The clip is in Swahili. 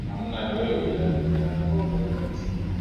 mpaka panapo majaliwa ulikuwa nami pendo pondo ndovi